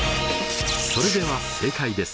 それでは正解です。